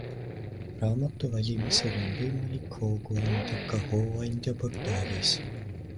Raamatu valmimisele on võimalik hoogu anda ka Hooandja portaalis.